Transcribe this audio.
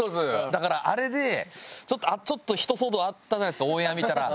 だからあれでちょっとひと騒動あったじゃないですかオンエア見たら。